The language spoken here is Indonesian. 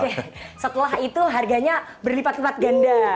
oke setelah itu harganya berlipat lipat ganda